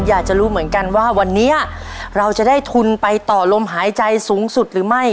อยากจะรู้เหมือนกันว่าวันนี้เราจะได้ทุนไปต่อลมหายใจสูงสุดหรือไม่